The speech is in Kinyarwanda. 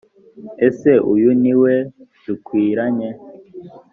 ese uyu ni we dukwiranye